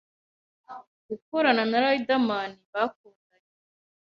gukorana na Riderman bakundanye